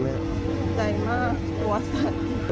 ตกใจมากตัวสัน